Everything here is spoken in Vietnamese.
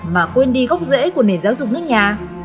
mà quên đi gốc rễ của nền giáo dục nước nhà